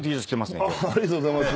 ありがとうございます。